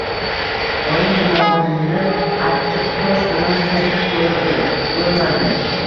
Oyim tomog‘imni achchiqtosh bilan chayib ko‘rdi, bo‘lmadi.